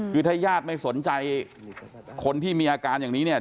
คือถ้าญาติไม่สนใจคนที่มีอาการอย่างนี้เนี่ย